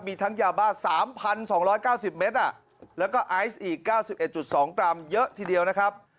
มีทั้งยาบ้า๓๒๙๐เมตรแล้วก็ไอซ์อีก๙๑๒กรัมเยอะทีเดียวนะครับ